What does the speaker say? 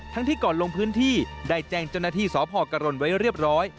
ทั้งที่ก่อนลงพื้นที่ได้แจ้งจันนาธิสอบหอกรณ์ไว้เรียบร้อย